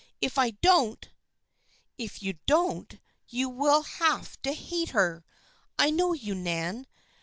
If I don't "" If you don't, you will have to hate her. I know you, Nan.